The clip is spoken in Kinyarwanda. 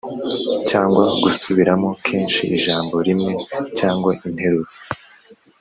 cyangwa gusubiramo kenshi ijambo rimwe cyangwa interuro